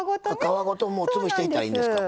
皮ごと潰していったらいいんですか。